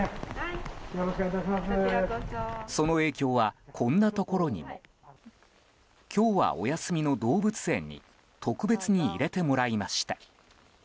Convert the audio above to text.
その影響は、こんなところにも。今日はお休みの動物園に特別に入れてもらいました。